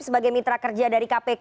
sebagai mitra kerja dari kpk